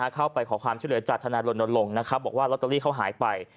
เข้าไปขอความชื่อเหลือจัดทางนายอรุณลงบอกว่าล็อตเตอรี่เขาหายไป